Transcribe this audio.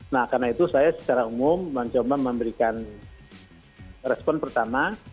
nah karena itu saya secara umum mencoba memberikan respon pertama